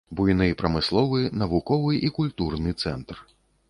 Буйны прамысловы, навуковы і культурны цэнтр.